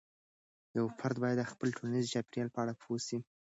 یو فرد باید د خپل ټولنيزې چاپیریال په اړه پوه سي.